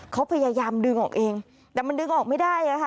เขาพยายามดึงออกเองแต่มันดึงออกไม่ได้อะค่ะ